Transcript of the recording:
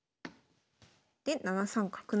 で７三角成。